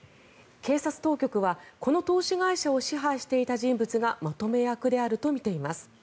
警察当局はこの投資会社を支配していた人物がまとめ役であるとみています。